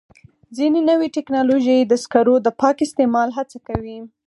ځینې نوې ټکنالوژۍ د سکرو د پاک استعمال هڅه کوي.